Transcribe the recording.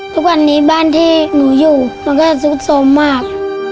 ทุกวันนี้บ้านที่หนูอยู่มันก็ซุดสมมาก